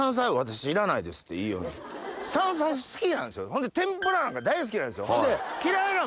ほんで天ぷらなんか大好きなんですよ。